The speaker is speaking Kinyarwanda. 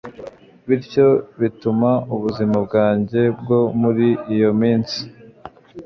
bityo bituma ubuzima bwanjye bwo muri iyo minsi